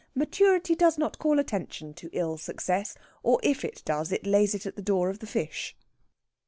Maturity does not call attention to ill success; or, if it does, it lays it at the door of the fish.